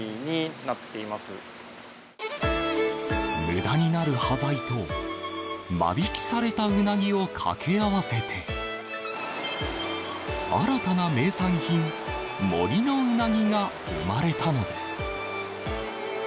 無駄になる端材と間引きされたうなぎを掛け合わせて、新たな名産品森のうなぎが生まれたのです。